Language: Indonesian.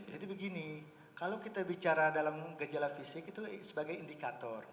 jadi begini kalau kita bicara dalam gejala fisik itu sebagai indikator